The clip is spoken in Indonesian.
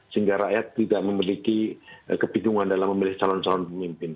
sehingga rakyat tidak memiliki kebingungan dalam memilih calon calon pemimpin